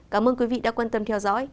cảm ơn quý vị đã quan tâm theo dõi